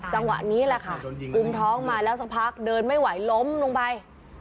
จังหวะนี้แหละค่ะกุมท้องมาแล้วสักพักเดินไม่ไหวล้มลงไป